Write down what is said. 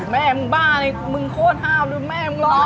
แม่มึงบ้าเลยมึงโคตรห้ามดูแม่มึงร้อง